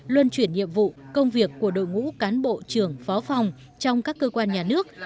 luân chuyển nhiệm vụ công việc của đội ngũ cán bộ trưởng phó phòng trong các cơ quan nhà nước